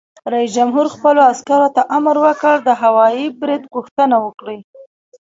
رئیس جمهور خپلو عسکرو ته امر وکړ؛ د هوايي برید غوښتنه وکړئ!